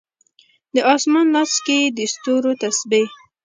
د اسمان لاس کې یې د ستورو تسبې